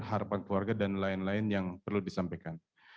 harapan keluarga dan lain lain yang perlu disampaikan